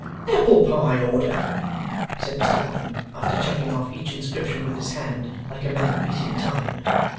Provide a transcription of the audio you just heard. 'Apple pie order!' said Mr Boffin, after checking off each inscription with his hand, like a man beating time.